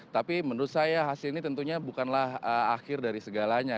tapi menurut saya hasil ini tentunya bukanlah akhir dari segalanya